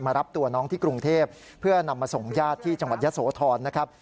รับตัวน้องที่กรุงเทพเพื่อนำมาส่งญาติที่จังหวัดยะโสธรนะครับ